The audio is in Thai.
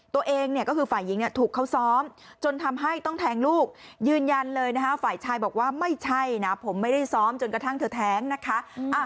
ตัวเองเนี่ยก็คือฝ่ายหญิงเนี่ยถูกเขาซ้อมจนทำให้ต้องแทงลูกยืนยันเลยนะคะฝ่ายชายบอกว่าไม่ใช่นะผมไม่ได้ซ้อมจนกระทั่งเธอแท้งนะคะ